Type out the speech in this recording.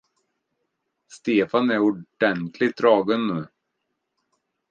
Stefan är ordentligt dragen nu.